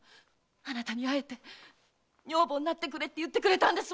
あなたに会えて「女房になってくれ」って言ってくれたんですもの！